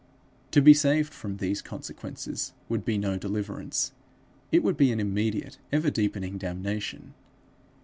To be saved from these consequences, would be no deliverance; it would be an immediate, ever deepening damnation.